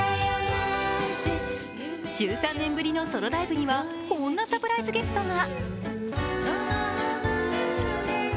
１３年ぶりのソロライブにはこんなサプライズゲストが。